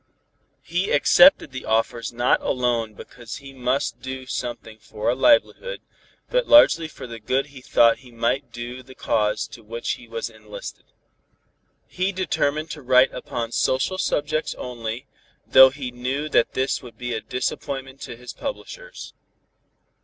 He accepted the offers not alone because he must needs do something for a livelihood, but largely for the good he thought he might do the cause to which he was enlisted. He determined to write upon social subjects only, though he knew that this would be a disappointment to his publishers.